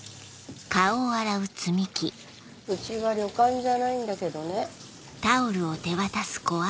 うちは旅館じゃないんだけどね。